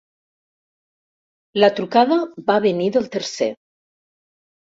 La trucada va venir del tercer.